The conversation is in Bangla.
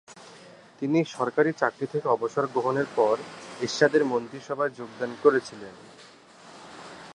তিনি সরকারি চাকরি থেকে অবসর গ্রহণের পর এরশাদের মন্ত্রিসভায় যোগদান করেছিলেন।